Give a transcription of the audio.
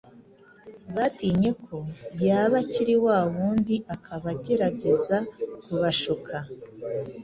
batinye ko yaba akiri wa wundi akaba agerageza kubashuka.